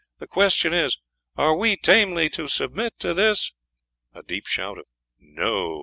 The question is, are we tamely to submit to this?" A deep shout of "No!"